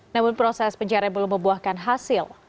namun proses pencarian belum membuahkan hasil